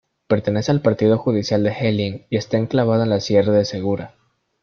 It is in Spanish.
Pertenece al partido judicial de Hellín y está enclavado en la sierra de Segura.